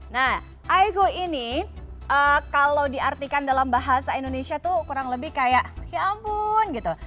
nah aego ini kalau diartikan dalam bahasa indonesia tuh kurang lebih kayak ya ampun gitu